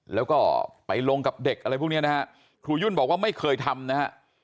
แล้วก็ไปลงกับเด็กอะไรพวกนี้นะฮะครูยุ่นบอกว่าไม่เคยทำนะฮะ